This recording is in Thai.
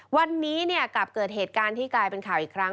วันนี้กลับเกิดเหตุการณ์ที่กลายเป็นข่าวอีกครั้ง